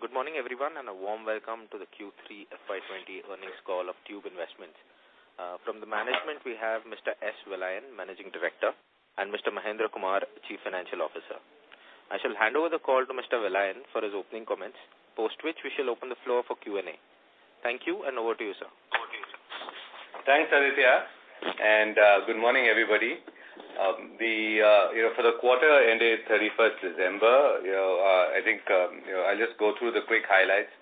Good morning, everyone, and a warm welcome to the Q3 FY 2020 earnings call of Tube Investments. From the management, we have Mr. S. Vellayan, Managing Director, and Mr. Mahendra Kumar, Chief Financial Officer. I shall hand over the call to Mr. Vellayan for his opening comments, post which we shall open the floor for Q&A. Thank you, and over to you, Sir. Okay. Thanks, Aditya, and good morning, everybody. For the quarter ended 31st December, I think I'll just go through the quick highlights.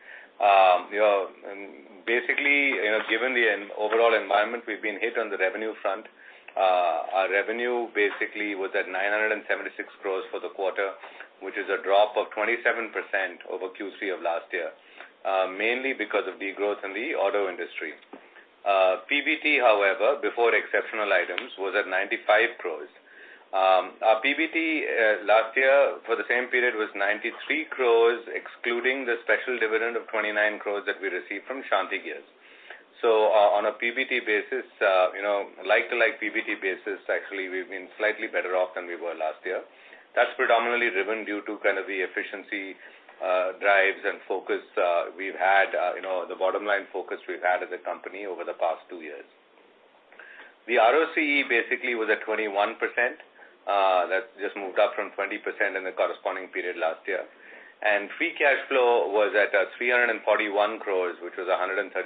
Basically, given the overall environment, we've been hit on the revenue front. Our revenue basically was at 976 crores for the quarter, which is a drop of 27% over Q3 of last year, mainly because of degrowth in the auto industry. PBT, however, before exceptional items, was at 95 crores. Our PBT last year for the same period was 93 crores, excluding the special dividend of 29 crores that we received from Shanti Gears. On a like-to-like PBT basis, actually, we've been slightly better off than we were last year. That's predominantly driven due to kind of the efficiency drives and the bottom-line focus we've had as a company over the past two years. The ROCE basically was at 21%. That just moved up from 20% in the corresponding period last year. Free cash flow was at 341 crores, which was 133% to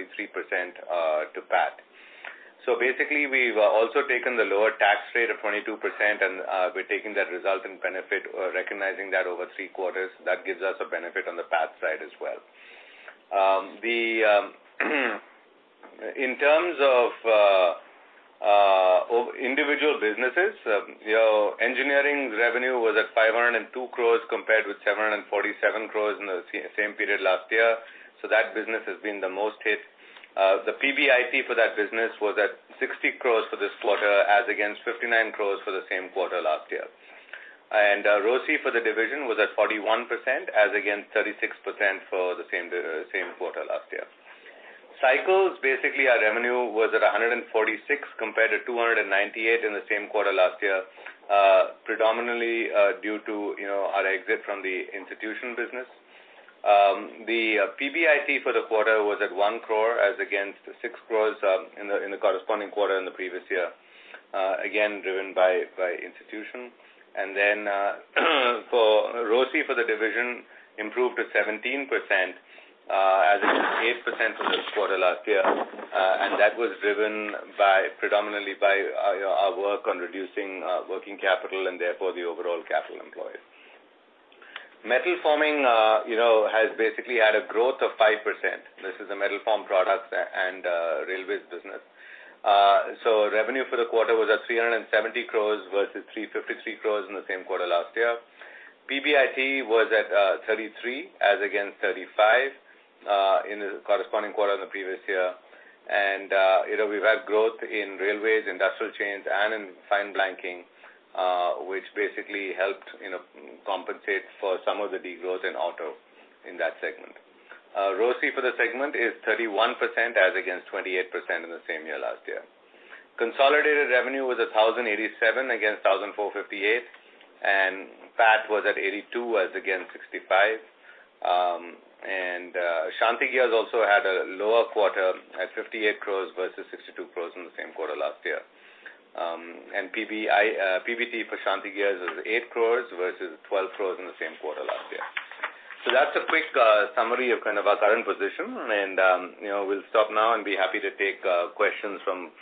PAT. Basically, we've also taken the lower tax rate of 22%, and we're taking that result in benefit, recognizing that over three quarters. That gives us a benefit on the PAT side as well. In terms of individual businesses, engineering revenue was at 502 crores compared with 747 crores in the same period last year. That business has been the most hit. The PBIT for that business was at 60 crores for this quarter as against 59 crores for the same quarter last year. ROCE for the division was at 41%, as against 36% for the same quarter last year. Cycles, basically our revenue was at 146 crore compared to 298 crore in the same quarter last year, predominantly due to our exit from the institution business. The PBIT for the quarter was at 1 crore as against 6 crore in the corresponding quarter in the previous year, again, driven by institution. ROCE for the division improved to 17% as against 8% for this quarter last year. That was driven predominantly by our work on reducing working capital and therefore the overall capital employed. Metal forming has basically had a growth of 5%. This is the metal formed products and railways business. Revenue for the quarter was at 370 crore versus 353 crore in the same quarter last year. PBIT was at 33 crore as against 35 crore in the corresponding quarter in the previous year. We've had growth in railways, industrial chains, and in fine blanking, which basically helped compensate for some of the degrowth in auto in that segment. ROCE for the segment is 31% as against 28% in the same year last year. Consolidated revenue was 1,087 against 1,458, and PAT was at 82 as against 65. Shanti Gears also had a lower quarter at 58 crores versus 62 crores in the same quarter last year. PBT for Shanti Gears is 8 crores versus 12 crores in the same quarter last year. That's a quick summary of kind of our current position, and we'll stop now and be happy to take questions from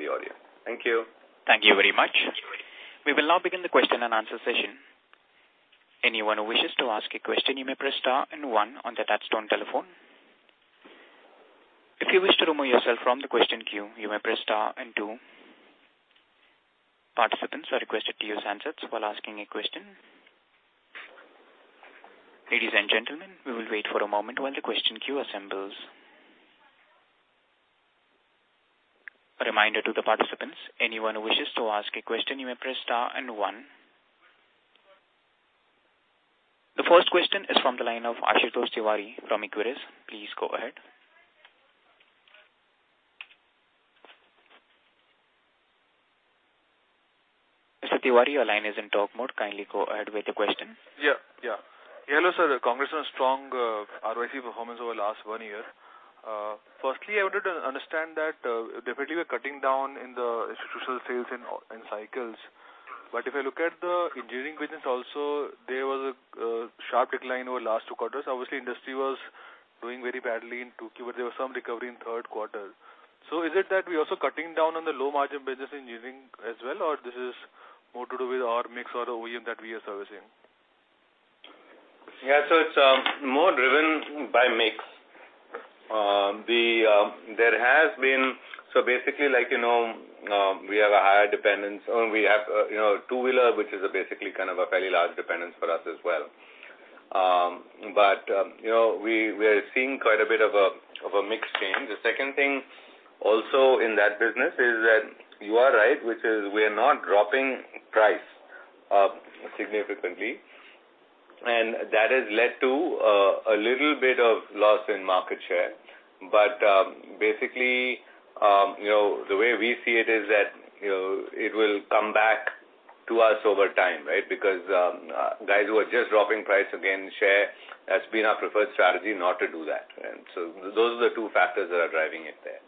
the audience. Thank you. Thank you very much. We will now begin the question and answer session. Anyone who wishes to ask a question, you may press star and one on the touch-tone telephone. If you wish to remove yourself from the question queue, you may press star and two. Participants are requested to use handsets while asking a question. Ladies and gentlemen, we will wait for a moment while the question queue assembles. A reminder to the participants, anyone who wishes to ask a question, you may press star and one. The first question is from the line of Ashutosh Tiwari from Equirus. Please go ahead. Mr. Tiwari, your line is in talk mode. Kindly go ahead with the question. Hello, Sir. Congrats on strong ROCE performance over last one year. Firstly, I wanted to understand that definitely you are cutting down in the institutional sales in cycles. If I look at the engineering business also, there was a sharp decline over last two quarters. Obviously, industry was doing very badly in Q2, but there was some recovery in third quarter. Is it that we're also cutting down on the low margin business in engineering as well? Or this is more to do with our mix or the OEM that we are servicing? Yeah. It's more driven by mix. Basically, we have a higher dependence, and we have two-wheeler, which is basically kind of a fairly large dependence for us as well. We are seeing quite a bit of a mix change. The second thing also in that business is that you are right, which is we are not dropping price significantly, and that has led to a little bit of loss in market share. Basically, the way we see it is that it will come back to us over time, right? Because guys who are just dropping price again, share has been our preferred strategy not to do that. Those are the two factors that are driving it there.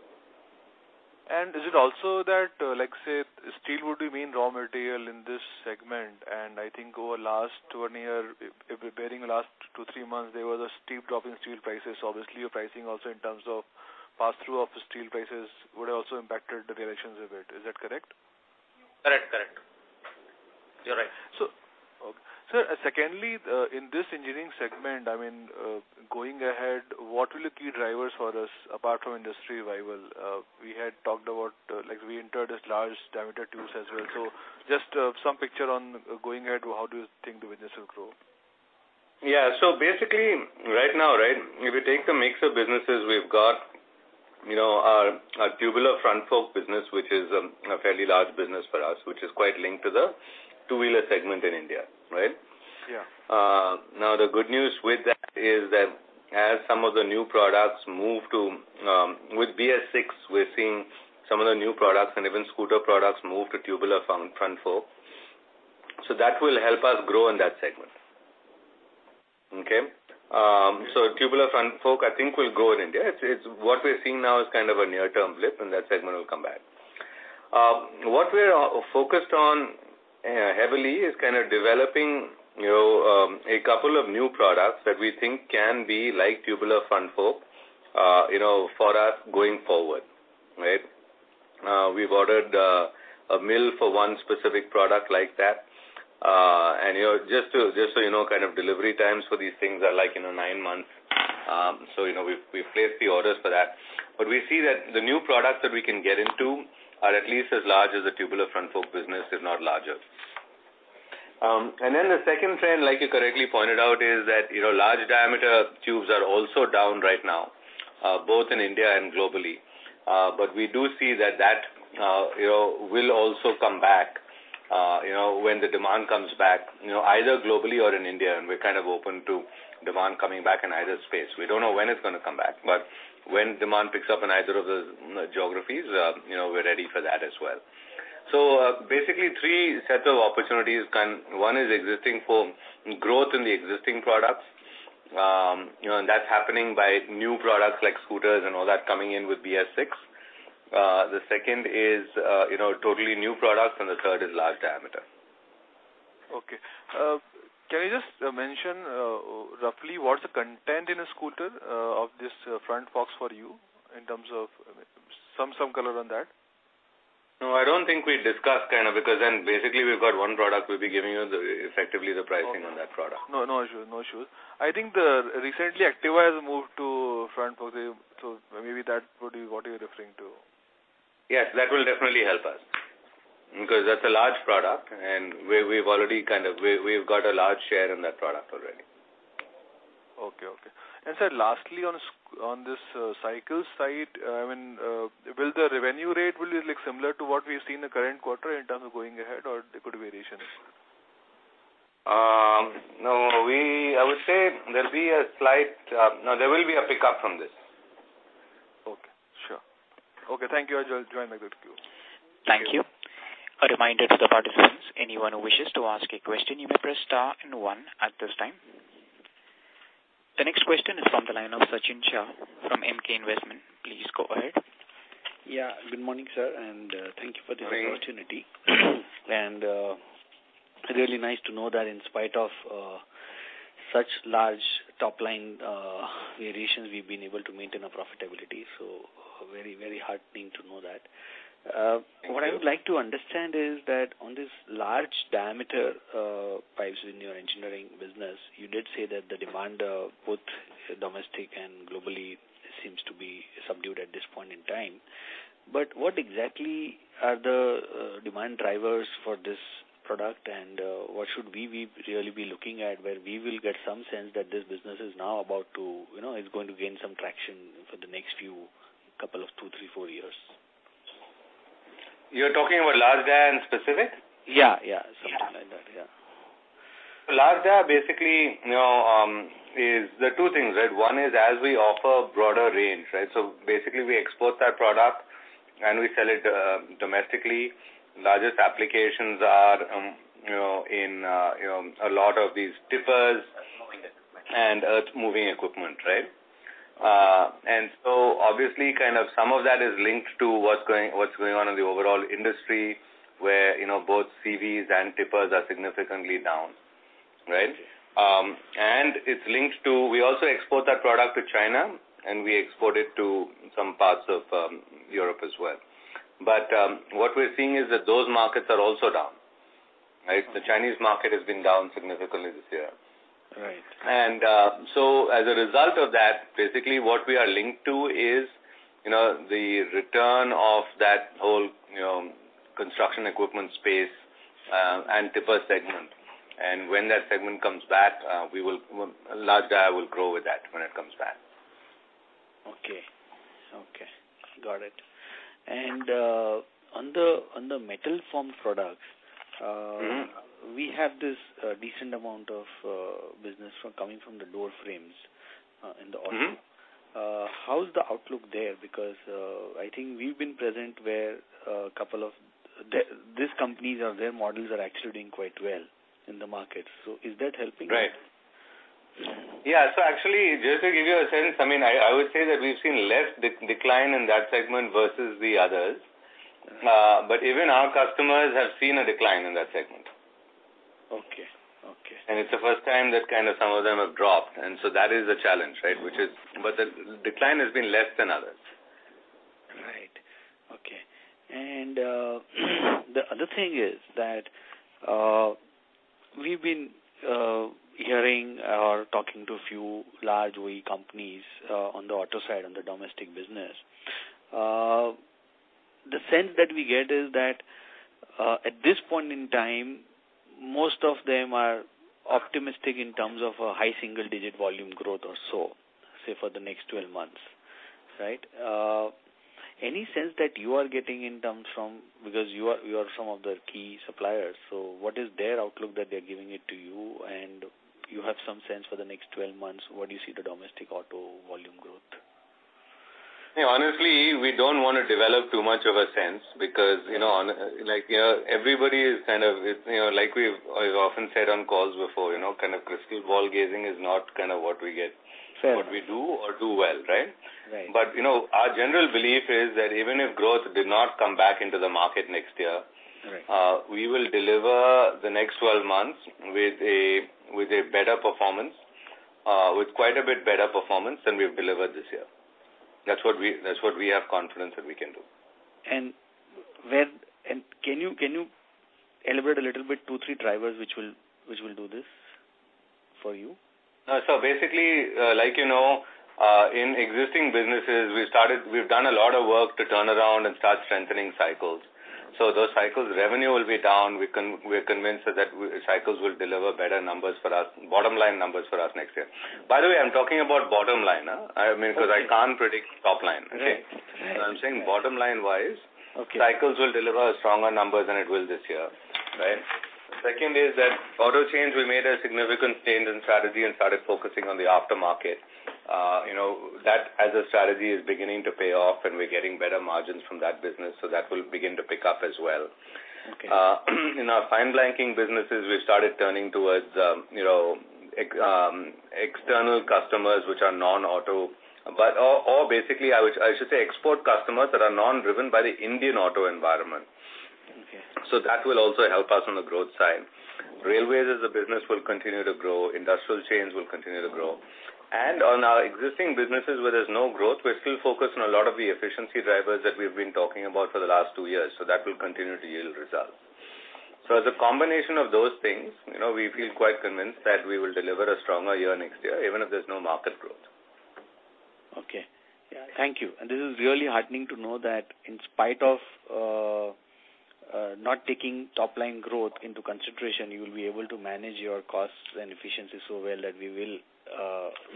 Is it also that, let's say, steel would be main raw material in this segment, and I think over the last one year, if we're comparing the last two, three months, there was a steep drop in steel prices. Obviously, your pricing also in terms of pass-through of steel prices would have also impacted the variations of it. Is that correct? Correct. You're right. Okay. Sir, secondly, in this engineering segment, going ahead, what will be key drivers for this apart from industry revival? We had talked about how we entered this large diameter tubes as well. Just some picture on going ahead, how do you think the business will grow? Yeah. Basically, right now, if we take the mix of businesses we've got, our tubular front fork business, which is a fairly large business for us, which is quite linked to the two-wheeler segment in India, right? Yeah. The good news with that is that as some of the new products move to with BS-VI, we're seeing some of the new products and even scooter products move to tubular front fork. That will help us grow in that segment. Okay? Tubular front fork, I think, will grow in India. What we're seeing now is kind of a near-term blip, and that segment will come back. What we are focused on heavily is kind of developing a couple of new products that we think can be like tubular front fork, for us going forward. Right? We've ordered a mill for one specific product like that. Just so you know, delivery times for these things are nine months. We've placed the orders for that. We see that the new products that we can get into are at least as large as the tubular front fork business, if not larger. Then the second trend, like you correctly pointed out, is that large diameter tubes are also down right now, both in India and globally. We do see that that will also come back when the demand comes back, either globally or in India, and we're kind of open to demand coming back in either space. We don't know when it's going to come back, but when demand picks up in either of those geographies, we're ready for that as well. Basically, three sets of opportunities. One is growth in the existing products. That's happening by new products like scooters and all that coming in with BS-VI. The second is totally new products, and the third is large diameter. Okay. Can I just mention roughly what's the content in a scooter of this front forks for you in terms of some color on that? No, I don't think we discussed, because then basically we've got one product, we'll be giving you effectively the pricing on that product. Okay. No issues. I think recently Activa has moved to front fork, so maybe that would be what you're referring to? Yes, that will definitely help us. That's a large product, and we've got a large share in that product already. Okay. Sir, lastly, on this cycles side, will the revenue rate be similar to what we've seen in the current quarter in terms of going ahead, or there could be variation? No, I would say there will be a pickup from this. Okay. Sure. Okay, thank you. I join the queue. Thank you. A reminder to the participants, anyone who wishes to ask a question, you may press star and one at this time. The next question is from the line of Sachin Shah from Emkay Investment. Please go ahead. Good morning, Sir, and thank you for this opportunity. Really nice to know that in spite of such large top-line variations, we've been able to maintain our profitability. Very heartening to know that. Thank you. What I would like to understand is that on these large diameter pipes in your engineering business, you did say that the demand both domestic and globally seems to be subdued at this point in time. What exactly are the demand drivers for this product? And what should we really be looking at where we will get some sense that this business is now about to gain some traction for the next few couple of two, three, four years? You're talking about large diameter in specific? Yeah. Something like that. Yeah. Large diameter basically is the two things, right? One is as we offer broader range, right? Basically, we export that product and we sell it domestically. Largest applications are in a lot of these tippers and earth-moving equipment, right? Obviously some of that is linked to what's going on in the overall industry, where both CVs and tippers are significantly down. Right? It's linked to, we also export that product to China, and we export it to some parts of Europe as well. What we're seeing is that those markets are also down, right? The Chinese market has been down significantly this year. Right. As a result of that, basically what we are linked to is the return of that whole construction equipment space, and tipper segment. When that segment comes back, large diameter will grow with that when it comes back. Okay. Got it. On the metal formed products We have this decent amount of business coming from the door frames in the auto. How is the outlook there? I think we've been present where a couple of these companies or their models are actually doing quite well in the market. Is that helping you? Right. Yeah. Actually, just to give you a sense, I would say that we've seen less decline in that segment versus the others. Even our customers have seen a decline in that segment. Okay. It's the first time that kind of some of them have dropped. That is a challenge. The decline has been less than others. Right. Okay. The other thing is that we've been hearing or talking to a few large OEM companies on the auto side, on the domestic business. The sense that we get is that at this point in time, most of them are optimistic in terms of a high-single digit volume growth or so, say for the next 12 months. Right? Any sense that you are getting in terms from, because you are some of their key suppliers, what is their outlook that they're giving it to you? You have some sense for the next 12 months, what do you see the domestic auto volume growth? Yeah, honestly, we don't want to develop too much of a sense because everybody is kind of, like we've often said on calls before, kind of crystal ball gazing is not kind of what we get. Sure. What we do or do well, right? Right. Our general belief is that even if growth did not come back into the market next year. Right. We will deliver the next 12 months with a better performance, with quite a bit better performance than we've delivered this year. That's what we have confidence that we can do. Can you elaborate a little bit, two, three drivers, which will do this for you? Basically, like you know, in existing businesses, we've done a lot of work to turn around and start strengthening cycles. Those cycles, revenue will be down. We're convinced that cycles will deliver better numbers for us, bottom line numbers for us next year. By the way, I'm talking about bottom line. I mean, because I can't predict top line. Okay. Right. I'm saying bottom line-wise. Okay. Cycles will deliver stronger numbers than it will this year. Right? Second is that auto chains, we made a significant change in strategy and started focusing on the aftermarket. That as a strategy is beginning to pay off, and we're getting better margins from that business, so that will begin to pick up as well. Okay. In our fine blanking businesses, we started turning towards external customers, which are non-auto. Basically, I should say export customers that are non-driven by the Indian auto environment. Okay. That will also help us on the growth side. Railways as a business will continue to grow. Industrial chains will continue to grow. On our existing businesses where there's no growth, we're still focused on a lot of the efficiency drivers that we've been talking about for the last two years. That will continue to yield results. As a combination of those things, we feel quite convinced that we will deliver a stronger year next year, even if there's no market growth. Okay. Thank you. This is really heartening to know that in spite of not taking top-line growth into consideration, you will be able to manage your costs and efficiency so well that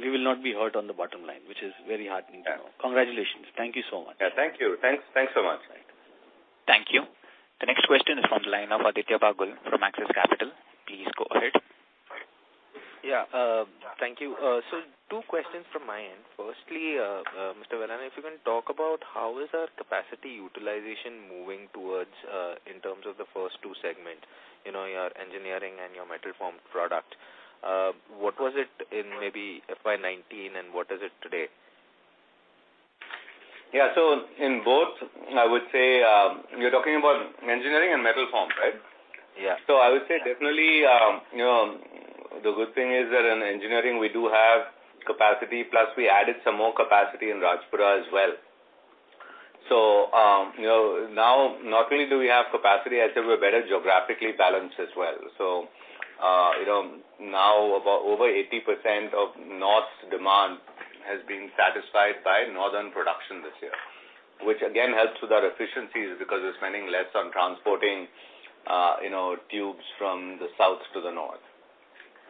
we will not be hurt on the bottom line, which is very heartening to know. Congratulations. Thank you so much. Yeah, thank you. Thanks so much. Thank you. The next question is from the line of Aditya Bagul from Axis Capital. Please go ahead. Yeah. Thank you. Two questions from my end. Firstly, Mr. Vellayan, if you can talk about how is our capacity utilization moving towards in terms of the first two segments, your engineering and your metal formed product. What was it in maybe FY 2019, and what is it today? Yeah. in both, I would say, you're talking about engineering and metal formed, right? Yeah. I would say definitely, the good thing is that in engineering, we do have capacity, plus we added some more capacity in Rajpura as well. Now, not only do we have capacity, I'd say we're better geographically balanced as well. Now over 80% of North demand has been satisfied by Northern production this year, which again helps with our efficiencies because we're spending less on transporting tubes from the South to the North.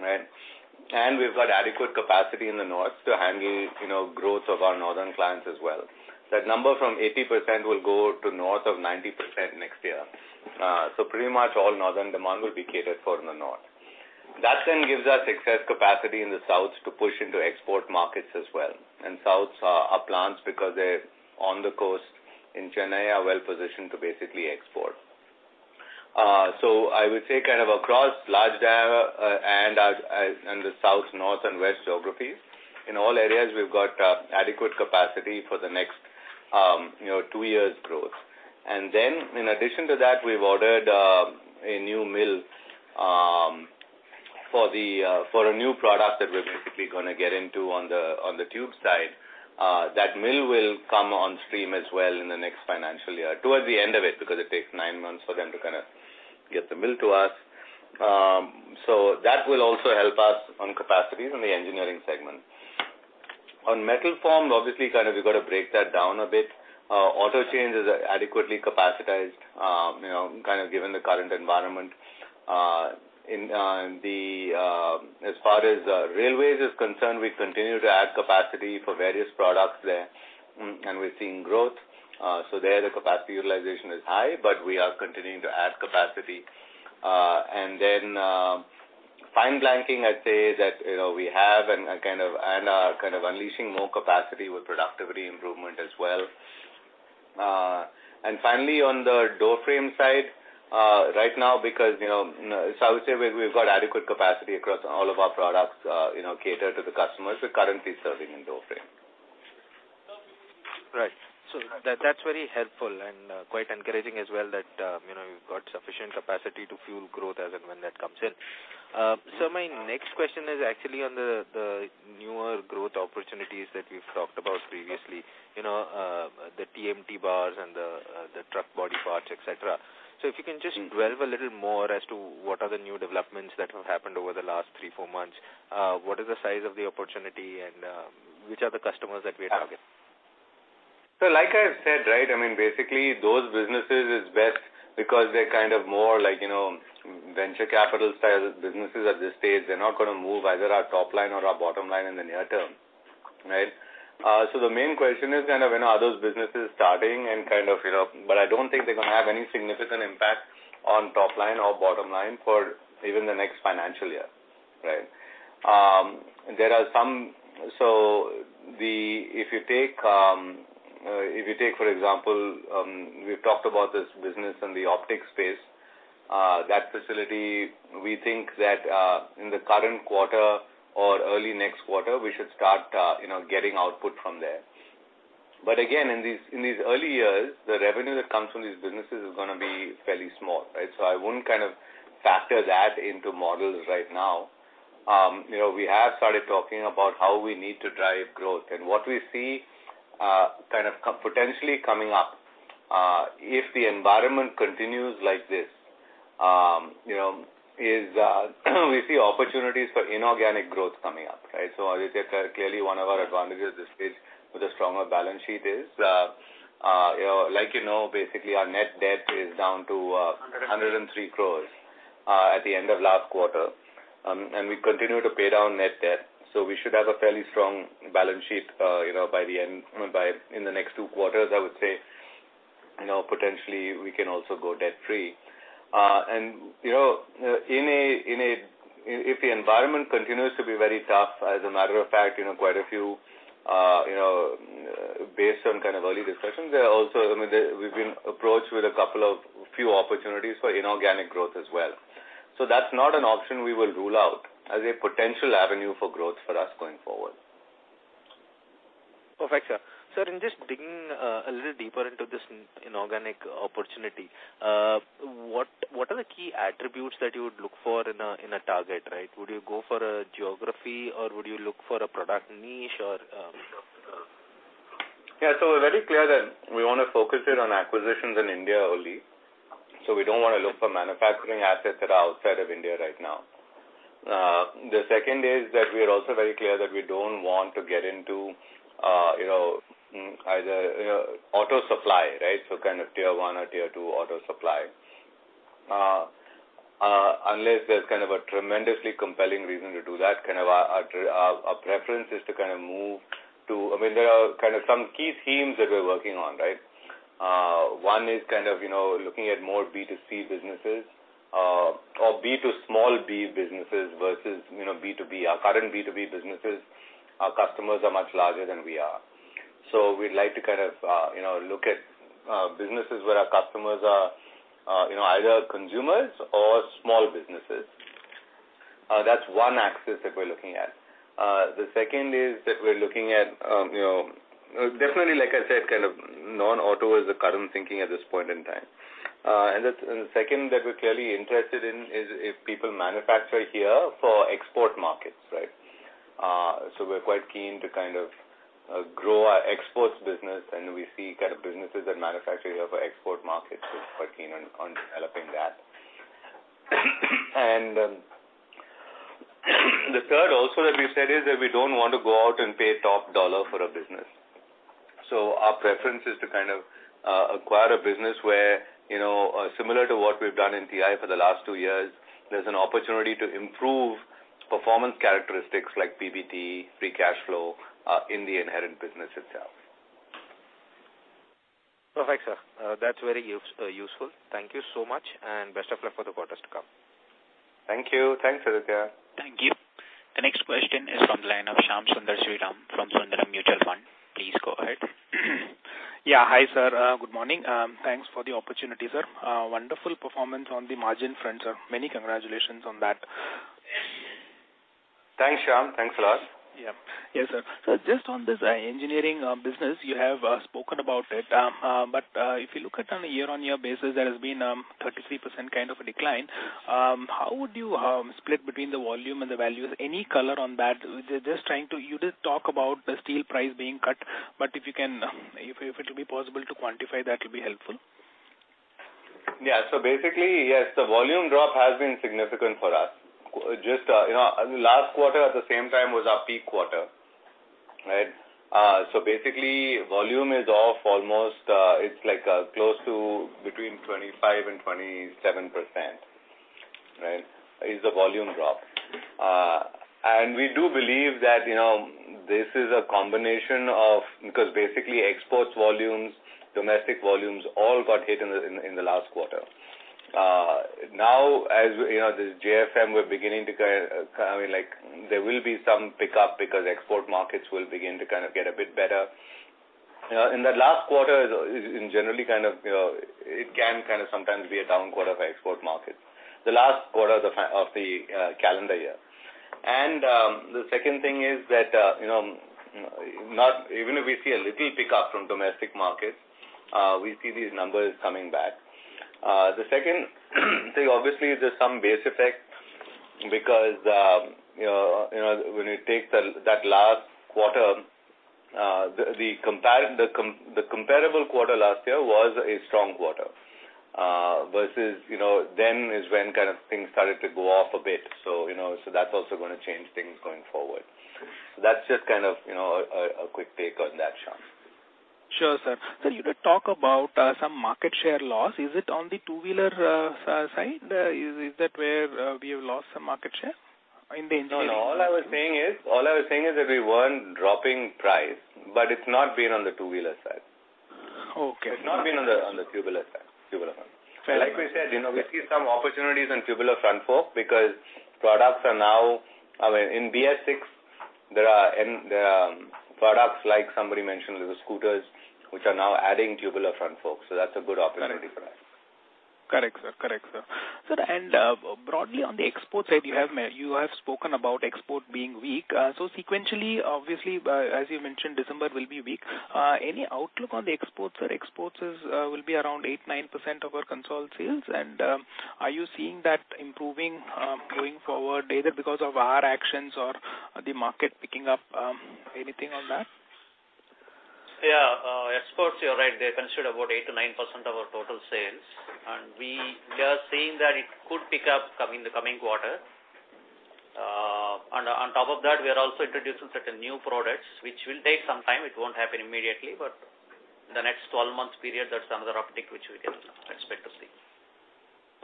Right? We've got adequate capacity in the North to handle growth of our Northern clients as well. That number from 80% will go to North of 90% next year. Pretty much all Northern demand will be catered for in the North. That gives us excess capacity in the South to push into export markets as well. South are well positioned because they're on the coast in Chennai, are well-positioned to basically export. I would say kind of across large diameter and the South, North, and West geographies. In all areas, we've got adequate capacity for the next two years' growth. Then in addition to that, we've ordered a new mill for a new product that we're basically gonna get into on the tube side. That mill will come on stream as well in the next financial year, towards the end of it, because it takes nine months for them to kind of get the mill to us. That will also help us on capacities in the engineering segment. On metal formed, obviously, kind of, we've got to break that down a bit. Auto chains is adequately capacitized, kind of given the current environment. As far as railways is concerned, we continue to add capacity for various products there, we're seeing growth. There, the capacity utilization is high, we are continuing to add capacity. Fine blanking, I'd say that we have and are unleashing more capacity with productivity improvement as well. Finally, on the door frame side, right now, because I would say we've got adequate capacity across all of our products, cater to the customers we're currently serving in door frame. Right. That's very helpful and quite encouraging as well that you've got sufficient capacity to fuel growth as and when that comes in. Sir, my next question is actually on the newer growth opportunities that we've talked about previously, the TMT bars and the truck body parts, et cetera. If you can just dwell a little more as to what are the new developments that have happened over the last three, four months? What is the size of the opportunity, and which are the customers that we are targeting? Like I've said, right? Basically, those businesses is best because they're more like venture capital style businesses at this stage. They're not going to move either our top line or our bottom line in the near term. Right? The main question is are those businesses starting, but I don't think they're going to have any significant impact on top line or bottom line for even the next financial year. Right? If you take, for example, we've talked about this business in the optics space. That facility, we think that in the current quarter or early next quarter, we should start getting output from there. Again, in these early years, the revenue that comes from these businesses is going to be fairly small, right? I wouldn't factor that into models right now. We have started talking about how we need to drive growth, and what we see potentially coming up, if the environment continues like this, we see opportunities for inorganic growth coming up, right? Aditya, clearly one of our advantages this stage with a stronger balance sheet is, you know, basically our net debt is down to 103 crore at the end of last quarter, we continue to pay down net debt. We should have a fairly strong balance sheet in the next two quarters, I would say. Potentially, we can also go debt-free. If the environment continues to be very tough, as a matter of fact, based on early discussions, we've been approached with a couple of few opportunities for inorganic growth as well. That's not an option we will rule out as a potential avenue for growth for us going forward. Perfect, Sir. Sir, in just digging a little deeper into this inorganic opportunity. What are the key attributes that you would look for in a target, right? Would you go for a geography or would you look for a product niche or? Yeah. We're very clear that we want to focus it on acquisitions in India only. We don't want to look for manufacturing assets that are outside of India right now. The second is that we are also very clear that we don't want to get into either auto supply, right, kind of Tier 1 or Tier 2 auto supply. Unless there's a tremendously compelling reason to do that, our preference is to move. There are some key themes that we're working on, right? One is looking at more B2C businesses or B to small B businesses versus B2B. Our current B2B businesses, our customers are much larger than we are. We'd like to look at businesses where our customers are either consumers or small businesses. That's one axis that we're looking at. The second is that we're looking at, definitely, like I said, non-auto is the current thinking at this point in time. The second that we're clearly interested in is if people manufacture here for export markets, right? We're quite keen to grow our exports business, and we see businesses that manufacture here for export markets. We're quite keen on developing that. The third also that we've said is that we don't want to go out and pay top dollar for a business. Our preference is to acquire a business where, similar to what we've done in TI for the last two years, there's an opportunity to improve performance characteristics like PBT, free cash flow, in the inherent business itself. Perfect, Sir. That's very useful. Thank you so much, and best of luck for the quarters to come. Thank you. Thanks, Aditya. Thank you. The next question is from the line of Shyam Sundar Sriram from Sundaram Mutual Fund. Please go ahead. Yeah. Hi, Sir. Good morning. Thanks for the opportunity, Sir. Wonderful performance on the margin front, Sir. Many congratulations on that. Thanks, Shyam. Thanks a lot. Yeah. Yes, Sir. Just on this engineering business, you have spoken about it. If you look at on a year-on-year basis, there has been 33% decline. How would you split between the volume and the value? Any color on that? You did talk about the steel price being cut. If it will be possible to quantify, that will be helpful. Yeah. Basically, yes, the volume drop has been significant for us. Last quarter, at the same time, was our peak quarter. Right? Basically, volume is off almost, it's close to between 25% and 27%, right, is the volume drop. We do believe that this is a combination of, because basically export volumes, domestic volumes, all got hit in the last quarter. Now, as you know, this JFM, there will be some pickup because export markets will begin to kind of get a bit better. In the last quarter, in general, it can sometimes be a down quarter for export markets, the last quarter of the calendar year. The second thing is that, even if we see a little pickup from domestic markets, we see these numbers coming back. The second thing, obviously, there's some base effect because when you take that last quarter, the comparable quarter last year was a strong quarter versus, then is when things started to go off a bit. That's also going to change things going forward. That's just a quick take on that, Shyam. Sure, Sir. Sir, you did talk about some market share loss. Is it on the two-wheeler side? Is that where we have lost some market share? No, all I was saying is that we weren't dropping price, but it's not been on the two-wheeler side. Okay. It's not been on the tubular side. Like we said, we see some opportunities in tubular front fork because products are now I mean, in BS-VI, there are products like somebody mentioned, with the scooters, which are now adding tubular front fork. That's a good opportunity for us. Correct, Sir. Sir, broadly on the export side, you have spoken about export being weak. Sequentially, obviously, as you mentioned, December will be weak. Any outlook on the exports? Our exports will be around 8%-9% of our consolidated sales. Are you seeing that improving going forward, either because of our actions or the market picking up? Anything on that? Yeah. Exports, you're right, they're considered about 8%-9% of our total sales. We are seeing that it could pick up in the coming quarter. On top of that, we are also introducing certain new products, which will take some time. It won't happen immediately, but in the next 12 months period, that's another uptick which we can expect to see.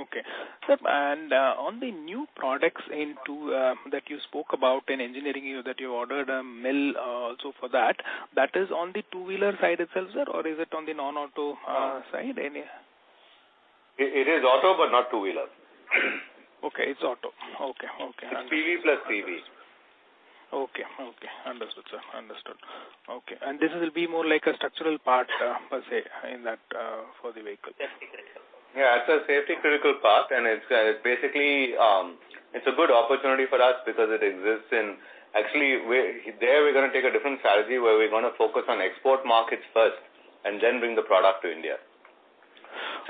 Okay. Sir, on the new products that you spoke about in engineering, that you ordered a mill also for that is on the two-wheeler side itself, Sir, or is it on the non-auto side? It is auto, but not two-wheeler. Okay, it's auto. Okay. Understood. It's PV plus CV. Okay. Understood, Sir. This will be more like a structural part, per se, in that for the vehicle? Safety critical part. Yeah, it's a safety critical part, and basically, it's a good opportunity for us because it exists in Actually, there we're going to take a different strategy where we're going to focus on export markets first and then bring the product to India.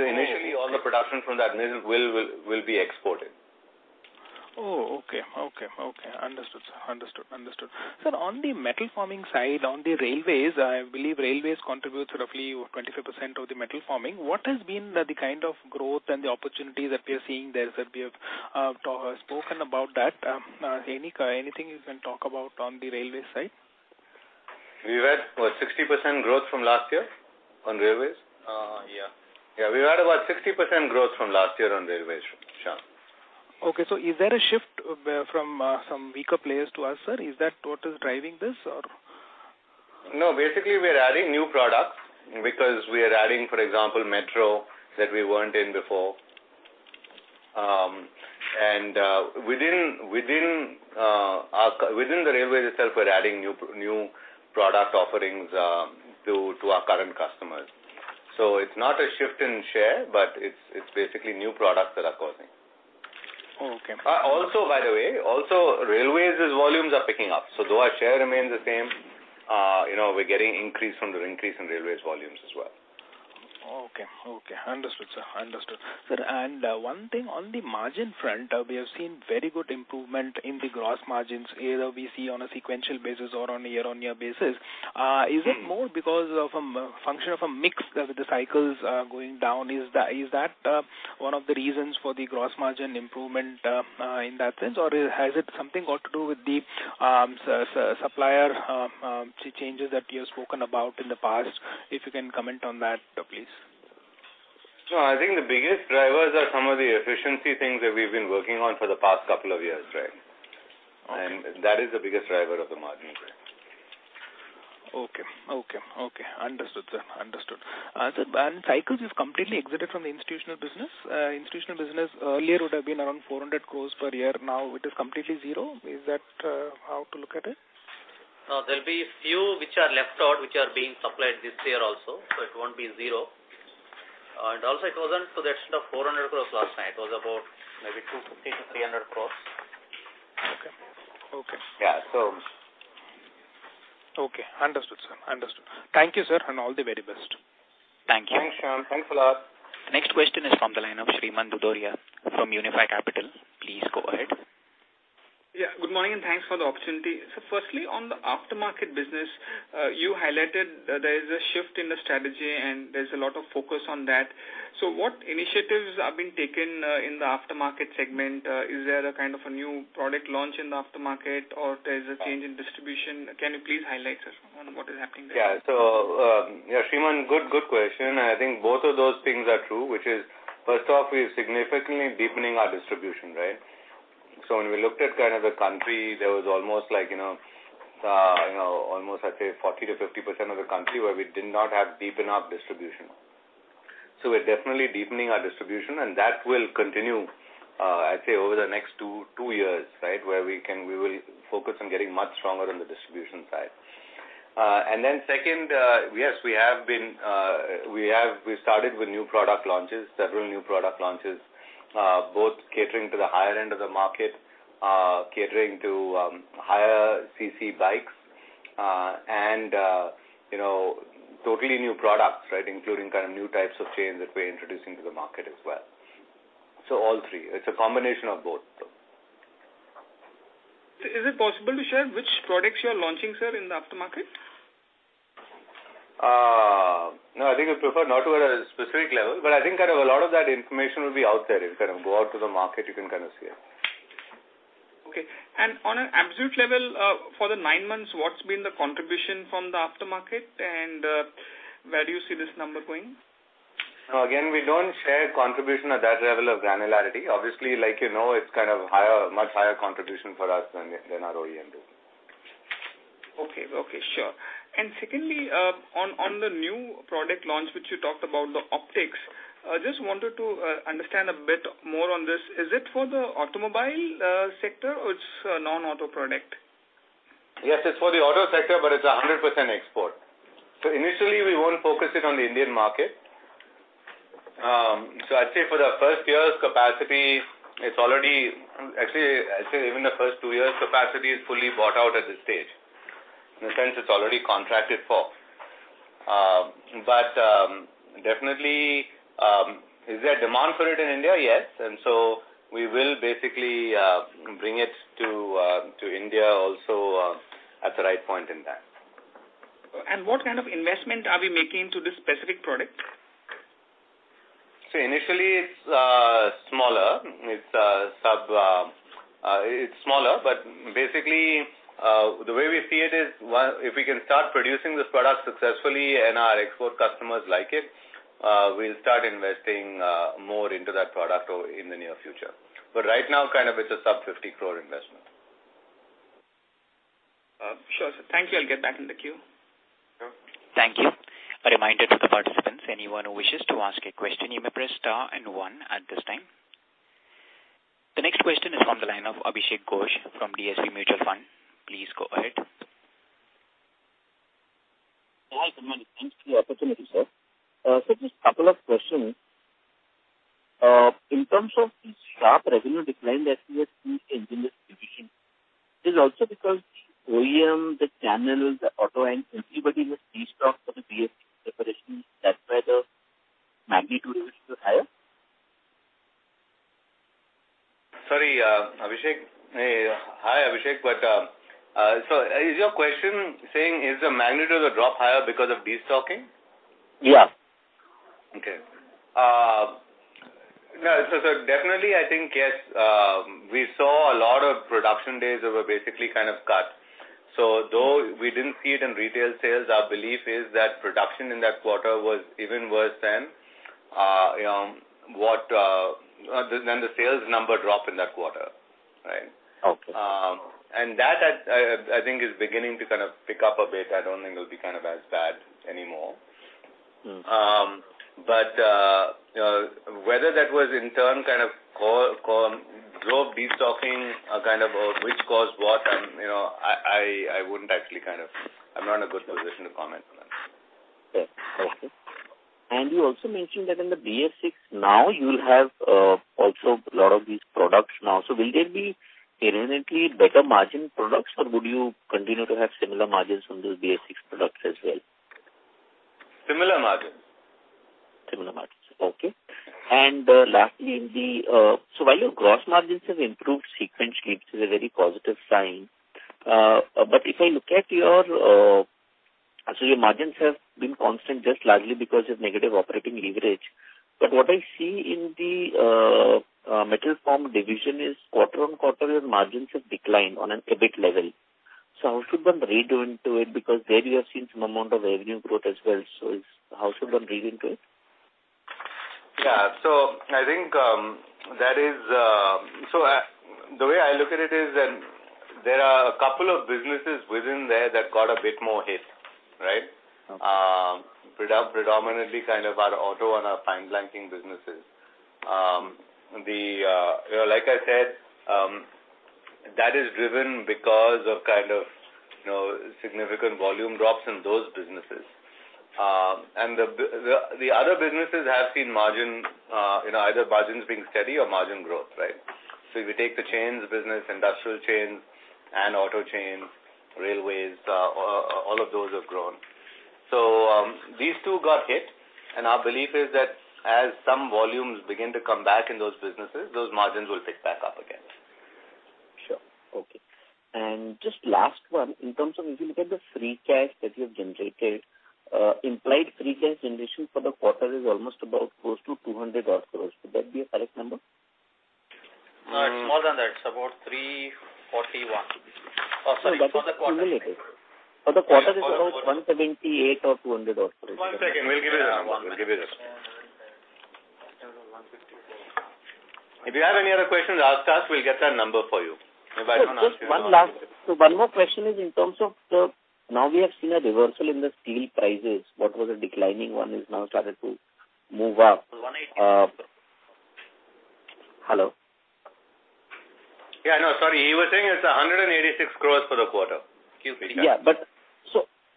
Initially, all the production from that mill will be exported. Oh, okay. Understood, Sir. Sir, on the metal forming side, on the railways, I believe railways contribute roughly 25% of the metal forming. What has been the kind of growth and the opportunity that we are seeing there, Sir? We have spoken about that. Anything you can talk about on the railway side? We were at what, 60% growth from last year on railways? Yeah. Yeah, we had about 60% growth from last year on railways, Shyam. Is there a shift from some weaker players to us, Sir? Is that what is driving this? No. Basically, we're adding new products because we are adding, for example, metro that we weren't in before. Within the railway itself, we're adding new product offerings to our current customers. It's not a shift in share, but it's basically new products that are causing. Okay. By the way, railways' volumes are picking up. Though our share remains the same, we're getting increase on increase in railways volumes as well. Okay. Understood, Sir. Sir, one thing on the margin front, we have seen very good improvement in the gross margins, either we see on a sequential basis or on a year-on-year basis. Is it more because of a function of a mix that the cycles are going down? Is that one of the reasons for the gross margin improvement in that sense? Has it something got to do with the supplier changes that you have spoken about in the past? If you can comment on that, please. No, I think the biggest drivers are some of the efficiency things that we've been working on for the past couple of years. Okay. That is the biggest driver of the margin. Okay. Understood, Sir. Cycles is completely exited from the institutional business. Institutional business earlier would have been around 400 crores per year. Now it is completely zero. Is that how to look at it? No, there will be a few which are left out, which are being supplied this year also. It won't be zero. Also, it wasn't to the extent of 400 crores last time. It was about maybe 250 crores-300 crores. Okay. Yeah. Okay. Understood, Sir. Thank you, Sir, and all the very best. Thank you. Thanks, Shyam. Thanks a lot. Next question is from the line of Sreemant Dudhoria from Unifi Capital. Please go ahead. Yeah. Good morning, and thanks for the opportunity. Sir, firstly, on the aftermarket business, you highlighted there is a shift in the strategy and there's a lot of focus on that. What initiatives are being taken in the aftermarket segment? Is there a kind of a new product launch in the aftermarket, or there's a change in distribution? Can you please highlight, Sir, on what is happening there? Yeah. Sreemant, good question. I think both of those things are true, which is, first off, we are significantly deepening our distribution. When we looked at the country, there was almost, I'd say, 40%-50% of the country where we did not have deep enough distribution. We're definitely deepening our distribution, and that will continue, I'd say, over the next two years, where we will focus on getting much stronger on the distribution side. Second, yes, we started with new product launches, several new product launches, both catering to the higher end of the market, catering to higher CC bikes, and totally new products, including new types of chains that we're introducing to the market as well. All three. It's a combination of both though. Is it possible to share which products you're launching, Sir, in the aftermarket? No, I think I'd prefer not to at a specific level, but I think a lot of that information will be out there. If you go out to the market, you can see it. Okay. On an absolute level, for the nine months, what's been the contribution from the aftermarket, and where do you see this number going? Again, we don't share contribution at that level of granularity. Obviously, like you know, it's a much higher contribution for us than our OEM do. Okay. Sure. Secondly, on the new product launch, which you talked about, the optics, I just wanted to understand a bit more on this. Is it for the automobile sector or it's a non-auto product? Yes, it's for the auto sector, but it's 100% export. Initially, we won't focus it on the Indian market. I'd say for the first year's capacity, I'd say even the first two years' capacity is fully bought out at this stage, in the sense it's already contracted for. Definitely, is there demand for it in India? Yes. We will basically bring it to India also at the right point in time. What kind of investment are we making to this specific product? Initially, it's smaller. It's smaller, but basically, the way we see it is, if we can start producing this product successfully and our export customers like it, we'll start investing more into that product in the near future. Right now, it's a sub-INR 50 crore investment. Sure, Sir. Thank you. I'll get back in the queue. Sure. Thank you. A reminder to the participants, anyone who wishes to ask a question, you may press star and one at this time. The next question is from the line of Abhishek Ghosh from DSP Mutual Fund. Please go ahead. Hi, Goodman. Thanks for the opportunity, Sir. Just a couple of questions. In terms of the sharp revenue decline that we have seen in this division, is it also because the OEM, the channels, the auto and everybody has destocked for the BS-VI preparations, that's why the magnitude is still higher? Sorry, Abhishek. Hi, Abhishek. Is your question saying is the magnitude of the drop higher because of destocking? Yeah. Okay. Definitely, I think yes. We saw a lot of production days that were basically cut. Though we didn't see it in retail sales, our belief is that production in that quarter was even worse than the sales number drop in that quarter. Right? Okay. That, I think is beginning to pick up a bit. I don't think it'll be as bad anymore. Whether that was in turn drove destocking, or which caused what, I'm not in a good position to comment on that. Okay. You also mentioned that in the BS-VI now, you'll have also a lot of these products now. Will they be inherently better margin products, or would you continue to have similar margins from those BS-VI products as well? Similar margins. Similar margins. Lastly, while your gross margins have improved sequentially, which is a very positive sign, if I look at your margins have been constant just largely because of negative operating leverage. What I see in the metal forming division is quarter-on-quarter, your margins have declined on an EBIT level. How should one read into it? Because there you have seen some amount of revenue growth as well. How should one read into it? Yeah. The way I look at it is there are a couple of businesses within there that got a bit more hit. Right? Predominantly our auto and our fine blanking businesses. Like I said, that is driven because of significant volume drops in those businesses. The other businesses have seen either margins being steady or margin growth. Right. If you take the chains business, industrial chains, and automotive chains, railways, all of those have grown. These two got hit, and our belief is that as some volumes begin to come back in those businesses, those margins will pick back up again. Sure. Okay. Just last one. In terms of if you look at the free cash that you have generated, implied free cash generation for the quarter is almost about close to 200 odd crores. Would that be a correct number? No, it's more than that. It's about 341 crores. No, that is cumulative. For the quarter, it is around 178 or 200 or so? One second. We'll give you that number. If you have any other questions, ask us. We'll get that number for you. Just one last. One more question is in terms of now we have seen a reversal in the steel prices. What was a declining one is now started to move up? 186. Hello? Yeah. No, sorry. He was saying it's 186 crores for the quarter. Yeah.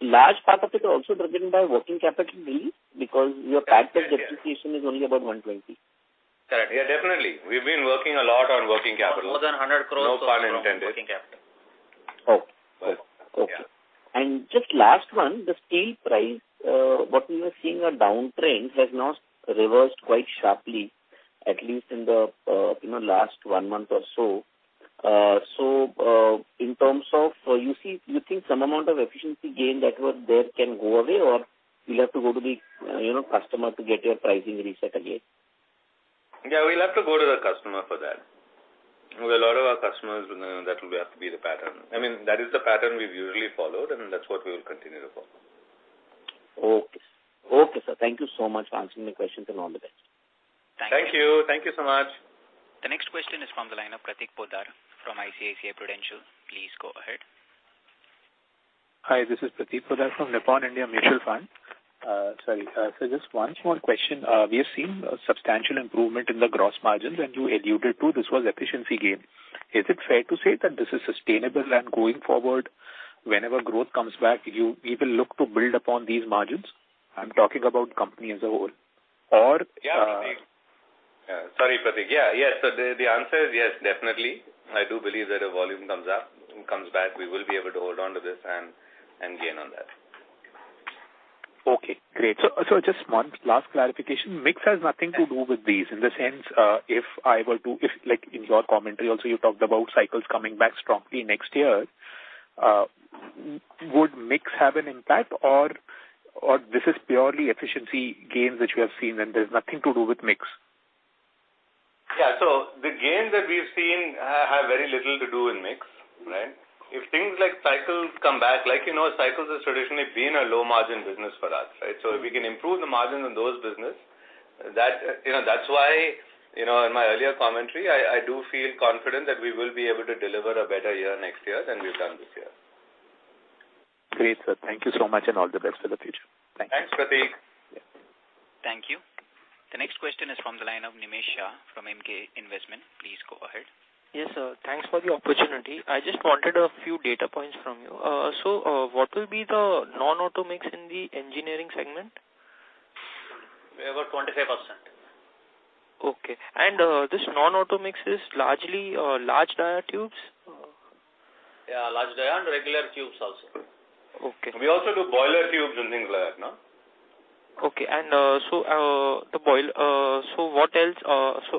Large part of it are also driven by working capital needs because your capital depreciation is only about 120? Yeah, definitely. We've been working a lot on working capital. More than 100 crores. No pun intended. Working capital. Oh, okay. Yeah. Just last one, the steel price, what we were seeing a downtrend has now reversed quite sharply, at least in the last one month or so. In terms of, you think some amount of efficiency gain that was there can go away, or you'll have to go to the customer to get your pricing reset again? Yeah, we'll have to go to the customer for that. With a lot of our customers, that will have to be the pattern. That is the pattern we've usually followed, and that's what we will continue to follow. Okay. Okay, Sir. Thank you so much for answering my questions, and all the best. Thank you. Thank you so much. The next question is from the line of Prateek Poddar from Nippon India Mutual Fund. Please go ahead. Hi, this is Prateek Poddar from Nippon India Mutual Fund. Sorry. Just one small question. We have seen a substantial improvement in the gross margins, and you alluded to this was efficiency gain. Is it fair to say that this is sustainable and going forward, whenever growth comes back, you will look to build upon these margins? I'm talking about company as a whole. Yeah. Sorry, Prateek. Yeah. The answer is yes, definitely. I do believe that if volume comes back, we will be able to hold on to this and gain on that. Okay, great. Just one last clarification. Mix has nothing to do with these in the sense, in your commentary also, you talked about cycles coming back strongly next year. Would mix have an impact or this is purely efficiency gains which we have seen, and there's nothing to do with mix? Yeah. The gains that we've seen have very little to do with mix, right? If things like cycles come back, like you know cycles has traditionally been a low margin business for us, right? If we can improve the margin on those business, that's why in my earlier commentary, I do feel confident that we will be able to deliver a better year next year than we've done this year. Great, Sir. Thank you so much, and all the best for the future. Thank you. Thanks, Prateek. Thank you. The next question is from the line of Nemish Shah from Emkay Investment. Please go ahead. Yes, Sir. Thanks for the opportunity. I just wanted a few data points from you. What will be the non-auto mix in the engineering segment? About 25%. Okay. This non-auto mix is largely large diameter tubes? Large diameter and regular tubes also. Okay. We also do boiler tubes and things like that. Okay.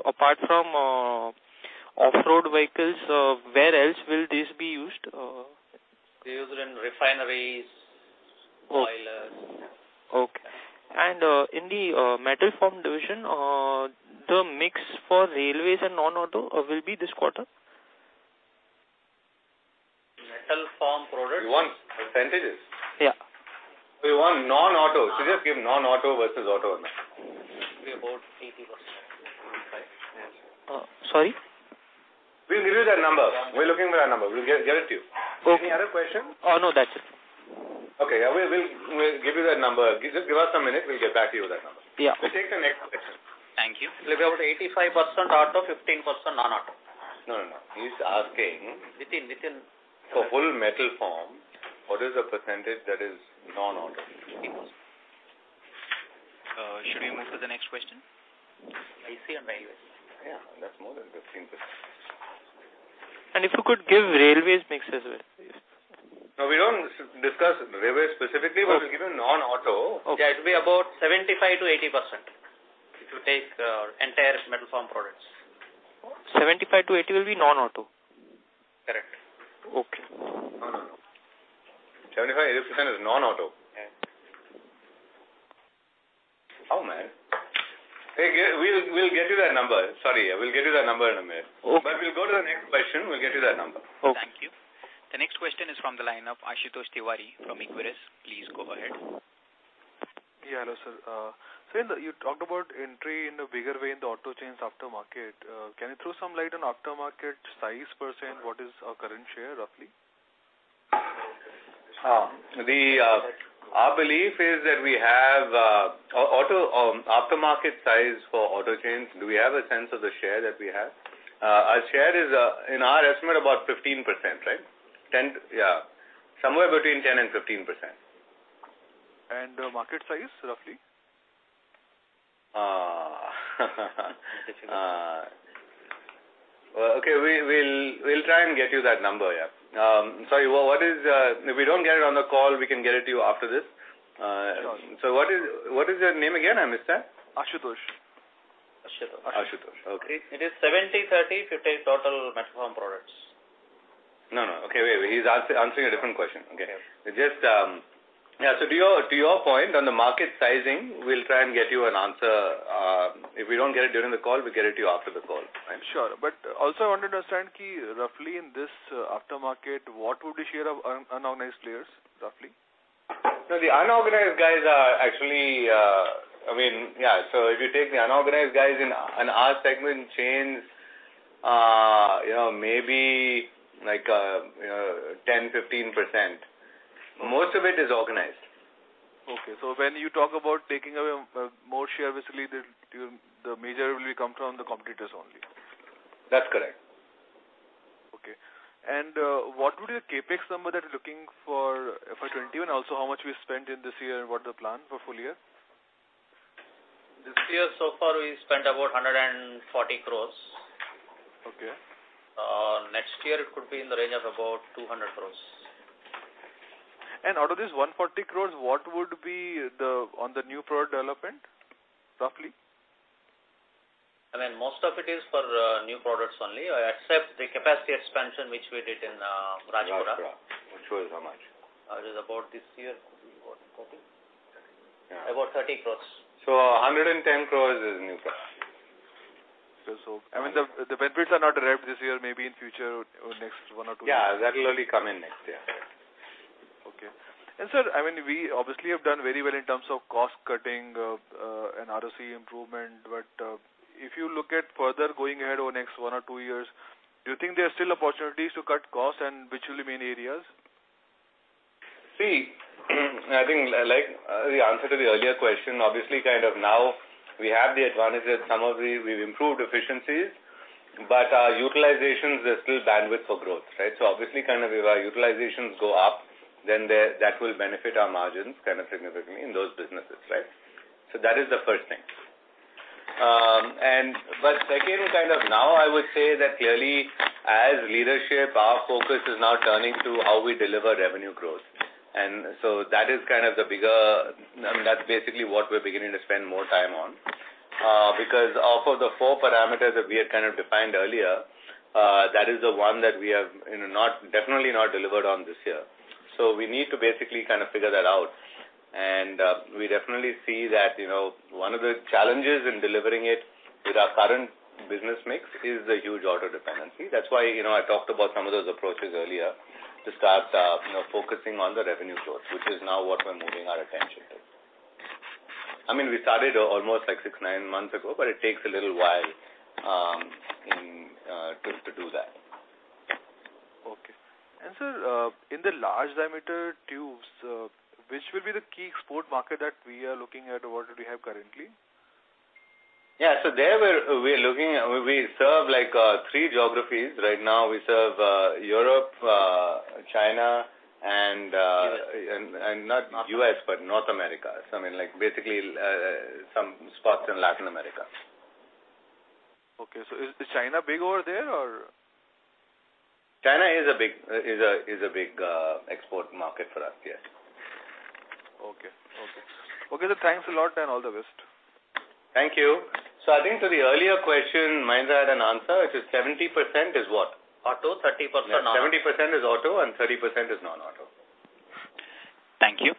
Apart from off-road vehicles, where else will this be used? They use it in refineries, boilers. Okay. In the Metal Forming Division, the mix for railways and non-auto will be this quarter? Metal formed products. You want percentages? Yeah. We want non-auto. Just give non-auto versus auto only. It'll be about 80%. Sorry? We'll give you that number. We're looking at that number. We'll get it to you. Okay. Any other question? No, that's it. Okay. We'll give you that number. Just give us some minutes. We'll get back to you with that number. Yeah. We'll take the next question. Thank you. It'll be about 85% auto, 15% non-auto. No. Within- For full metal formed. What is the percentage that is non-auto? 15%. Should we move to the next question? AC and railway. Yeah, that's more than 15%. If you could give railways mix as well, please. No, we don't discuss railways specifically, but we've given non-auto. Okay. Yeah, it'll be about 75%-80% if you take entire metal formed products. 75%-80% will be non-auto? Correct. Okay. 75%, 80% is non-auto? Yeah. Oh, man. Hey, we'll get you that number. Sorry. We'll get you that number in a minute. Okay. We'll go to the next question. We'll get you that number. Okay. Thank you. The next question is from the line of Ashutosh Tiwari from Equirus. Please go ahead. Yeah. Hello, Sir. Sir, you talked about entry in a bigger way in the automotive chains aftermarket. Can you throw some light on aftermarket size percent? What is our current share, roughly? Our belief is that we have auto aftermarket size for automotive chains. Do we have a sense of the share that we have? Our share is, in our estimate, about 15%, right? Yeah. Somewhere between 10% and 15%. Market size, roughly? Okay, we'll try and get you that number, yeah. Sorry. If we don't get it on the call, we can get it to you after this. Sure. What is your name again? I missed that. Ashutosh. Ashutosh. Okay. It is 70%/30%, 50% total metal formed products. No. Okay, wait. He's answering a different question. Okay. Yes. Yeah. To your point on the market sizing, we'll try and get you an answer. If we don't get it during the call, we'll get it to you after the call. Sure. Also, I want to understand roughly in this aftermarket, what would be share of unorganized players, roughly? No, if you take the unorganized guys in our segment, chains, maybe 10%, 15%. Most of it is organized. Okay. When you talk about taking away more share, basically, the major will come from the competitors only. That's correct. Okay. What would be the CapEx number that you're looking for FY 2021? Also, how much we spent in this year, and what's the plan for full year? This year, so far, we spent about 140 crores. Okay. Next year, it could be in the range of about 200 crores. Out of this 140 crores, what would be on the new product development, roughly? Most of it is for new products only, except the capacity expansion which we did in Rajpura. Which was how much? It is about this year, about 30 crores. 110 crores is new products. I mean, the big bids are not arrived this year, maybe in future, or next one or two years. Yeah, that will only come in next year. Okay. Sir, we obviously have done very well in terms of cost cutting and ROC improvement. If you look at further going ahead over the next one or two years, do you think there are still opportunities to cut costs and which will be main areas? See, I think, like the answer to the earlier question, obviously, now we have the advantage that some of we've improved efficiencies, but our utilizations, there's still bandwidth for growth, right? Obviously, if our utilizations go up, then that will benefit our margins significantly in those businesses, right? That is the first thing. Second, now I would say that clearly, as leadership, our focus is now turning to how we deliver revenue growth. That is the bigger I mean, that's basically what we're beginning to spend more time on. Because of the four parameters that we had kind of defined earlier, that is the one that we have definitely not delivered on this year. We need to basically figure that out. We definitely see that one of the challenges in delivering it with our current business mix is the huge order dependency. That's why I talked about some of those approaches earlier to start focusing on the revenue growth, which is now what we're moving our attention to. We started almost six, nine months ago, but it takes a little while just to do that. Okay. Sir, in the large diameter tubes, which will be the key export market that we are looking at? What do we have currently? Yeah. There we serve three geographies. Right now we serve Europe, China, and not U.S., but North America. Basically, some spots in Latin America. Okay. Is China big over there, or? China is a big export market for us, yes. Okay. Sir, thanks a lot and all the best. Thank you. I think to the earlier question, Mahendra had an answer. It is 70% is what? Auto, 30% non-auto. 70% is auto and 30% is non-auto. Thank you.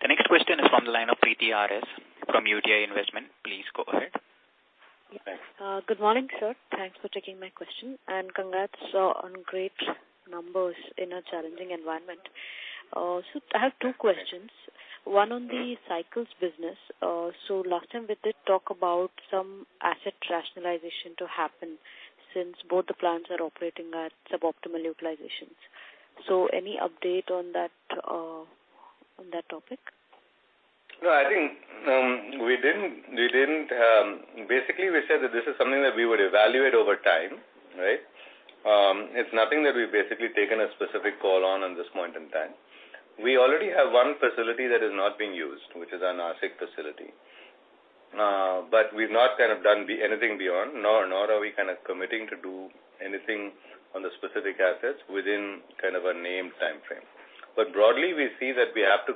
The next question is from the line of Preethi R.S. from UTI Investment. Please go ahead. Thanks. Good morning, Sir. Thanks for taking my question, and congrats on great numbers in a challenging environment. I have two questions, one on the cycles business. Last time we did talk about some asset rationalization to happen since both the plants are operating at suboptimal utilizations. Any update on that topic? No, I think basically we said that this is something that we would evaluate over time, right? It's nothing that we've basically taken a specific call on at this point in time. We already have one facility that is not being used, which is our Nashik facility. We've not done anything beyond, nor are we committing to do anything on the specific assets within a named timeframe. Broadly, we see that we have to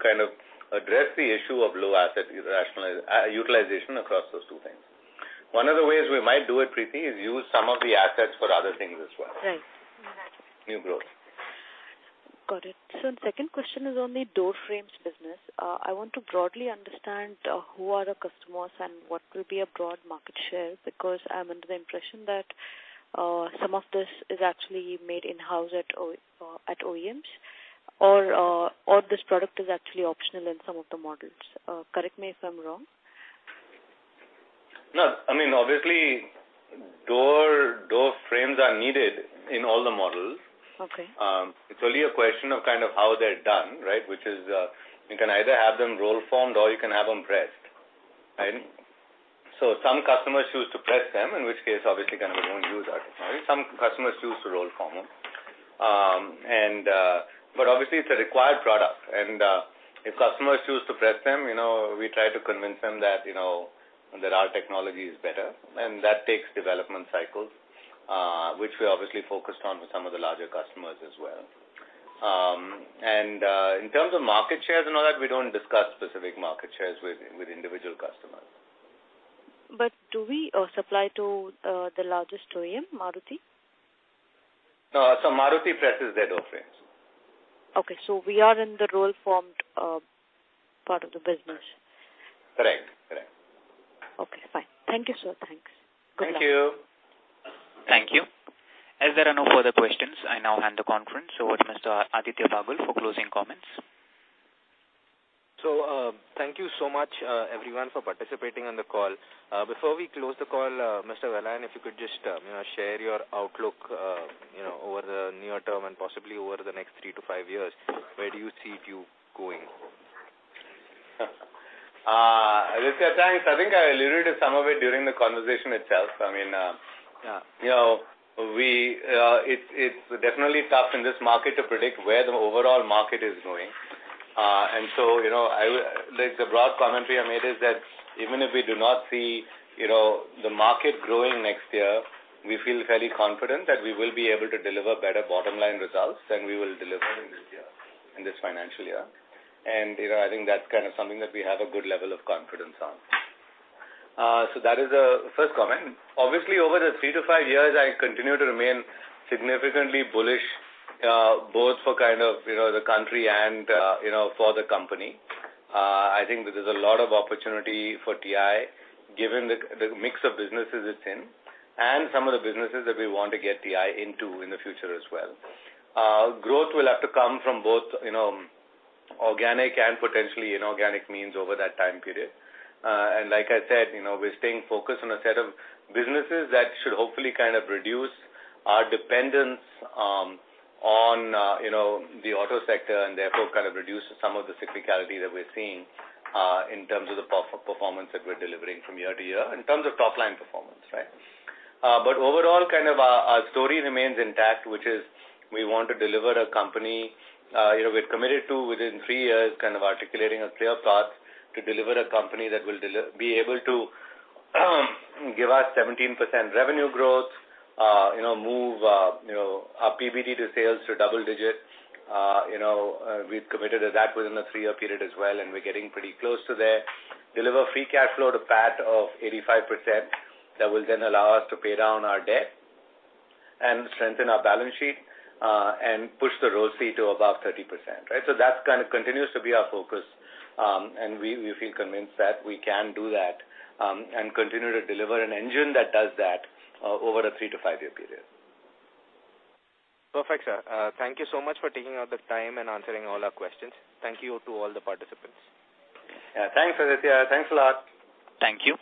address the issue of low asset utilization across those two things. One of the ways we might do it, Preethi, is use some of the assets for other things as well. Right. Got it. New growth. Got it. Second question is on the door frames business. I want to broadly understand who are the customers and what will be a broad market share? Because I am under the impression that some of this is actually made in-house at OEMs, or this product is actually optional in some of the models. Correct me if I am wrong. No. Obviously, door frames are needed in all the models. Okay. It's only a question of how they're done, right? You can either have them roll-formed or you can have them pressed. Some customers choose to press them, in which case, obviously, we don't use our technology. Some customers choose to roll form them. Obviously, it's a required product, and if customers choose to press them, we try to convince them that our technology is better, and that takes development cycles, which we obviously focused on with some of the larger customers as well. In terms of market shares and all that, we don't discuss specific market shares with individual customers. Do we supply to the largest OEM, Maruti? No. Maruti press is their own press. Okay. We are in the roll formed part of the business. Correct. Okay, fine. Thank you, Sir. Thanks. Good luck. Thank you. Thank you. As there are no further questions, I now hand the conference over to Mr. Aditya Bagul for closing comments. Thank you so much, everyone, for participating on the call. Before we close the call, Mr. Vellayan, if you could just share your outlook over the near term and possibly over the next three to five years, where do you see Tube Investmens going? Aditya, thanks. I think I alluded to some of it during the conversation itself. It's definitely tough in this market to predict where the overall market is going. The broad commentary I made is that even if we do not see the market growing next year, we feel fairly confident that we will be able to deliver better bottom-line results than we will deliver in this financial year. I think that's something that we have a good level of confidence on. That is the first comment. Obviously, over the three to five years, I continue to remain significantly bullish, both for the country and for the company. I think that there's a lot of opportunity for TI, given the mix of businesses it's in and some of the businesses that we want to get TI into in the future as well. Growth will have to come from both organic and potentially inorganic means over that time period. Like I said, we're staying focused on a set of businesses that should hopefully reduce our dependence on the auto sector and therefore reduce some of the cyclicality that we're seeing in terms of the performance that we're delivering from year-to-year, in terms of top-line performance. Overall, our story remains intact, which is we're committed to, within three years, articulating a clear path to deliver a company that will be able to give us 17% revenue growth, move our PBT to sales to double digit. We've committed to that within a three-year period as well, and we're getting pretty close to there. Deliver free cash flow to PAT of 85%, that will then allow us to pay down our debt and strengthen our balance sheet, and push the ROC to above 30%. That continues to be our focus, and we feel convinced that we can do that and continue to deliver an engine that does that over a three to five-year period. Perfect, Sir. Thank you so much for taking out the time and answering all our questions. Thank you to all the participants. Yeah. Thanks, Aditya. Thanks a lot. Thank you.